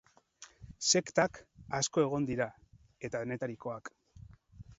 Sektak asko egon dira, eta denetarikoak.